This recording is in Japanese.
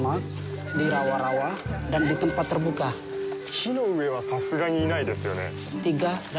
木の上はさすがにいないですよね？